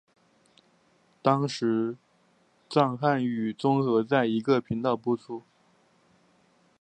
当时藏汉语综合在一个频道播出。